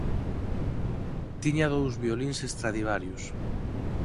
Tiña dous violíns Stradivarius.